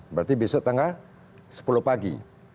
berarti besok tengah sepuluh pagi